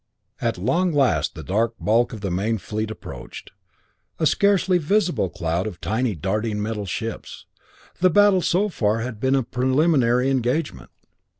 At long last the dark bulk of the main fleet approached, a scarcely visible cloud of tiny darting metal ships. The battle so far had been a preliminary engagement.